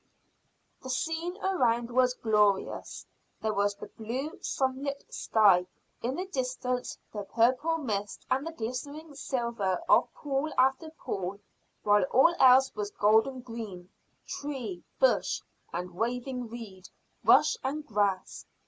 The scene around was glorious; there was the blue sunlit sky, in the distance the purple mist and the glistening silver of pool after pool, while all else was golden green tree, bush, and waving reed, rush and grass.